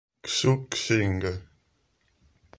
Xu Xing